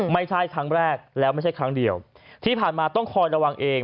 ไม่ใช่ครั้งแรกแล้วไม่ใช่ครั้งเดียวที่ผ่านมาต้องคอยระวังเอง